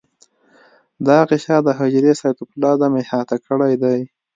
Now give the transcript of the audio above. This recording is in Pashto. دا غشا د حجرې سایتوپلازم احاطه کړی دی.